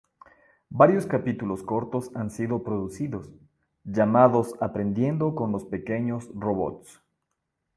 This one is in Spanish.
Varios capítulos cortos han sido producidos, llamados Aprendiendo con los pequeños robots.